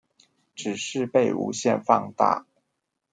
只是被無限放大